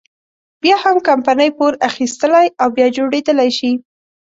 بيا هم کمپنۍ پور اخیستلی او بیا جوړېدلی شي.